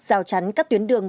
giào trắn các tuyến đường